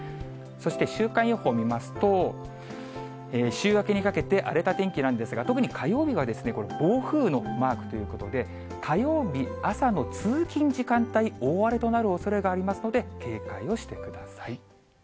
そして、週間予報見ますと、週明けにかけて荒れた天気なんですが、特に火曜日は、これ、暴風雨のマークということで、火曜日朝の通勤時間帯、大荒れとなるおそれがありますので、警戒をしてください。